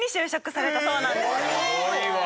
すごいわ。